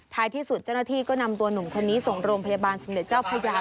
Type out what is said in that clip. ที่สุดเจ้าหน้าที่ก็นำตัวหนุ่มคนนี้ส่งโรงพยาบาลสมเด็จเจ้าพญา